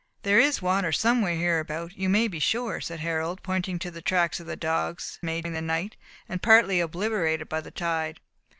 "There is water somewhere here about, you may be sure," said Harold, pointing to tracks of the dogs, made during the night, and partly obliterated by the tide.